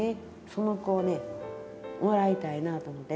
その子をねもらいたいなあと思ってね。